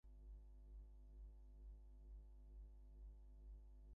Sometimes it is also translated as Gentry Assembly.